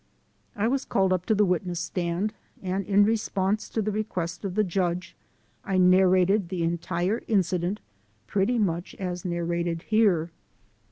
I was called up to the witness stand and in response to the request of the judge I narrated the entire incident pretty much as narrated here.